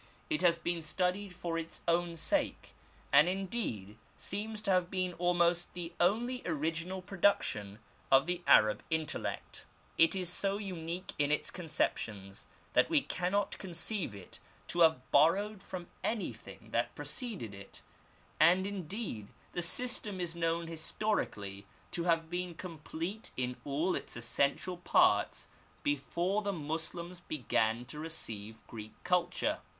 It has been studied for its own sake, and indeed seems to have been almost the only original production of the Arab intellect. It is so unique in its conceptions that we cannot conceive it to have borrowed from anything that preceded it, and indeed the system is known historically to have been complete in all its essential parts before the Moslems began to receive Greek culture.